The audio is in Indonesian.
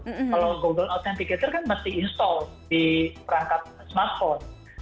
kalau google authenticator kan mesti install di perangkat smartphone